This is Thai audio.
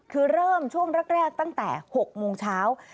คือเริ่มช่วงแรกตั้งแต่๖โมงเช้า